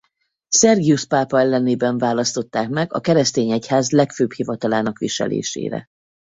Szergiusz pápa ellenében választották meg a keresztény egyház legfőbb hivatalának viselésére.